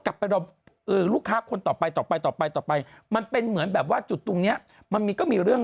กลับไปรอลูกค้าคนต่อไปต่อไปต่อไปต่อไปต่อไปมันเป็นเหมือนแบบว่าจุดตรงเนี้ยมันมีก็มีเรื่อง